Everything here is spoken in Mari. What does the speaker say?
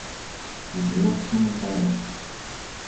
Кузе Оксим утараш?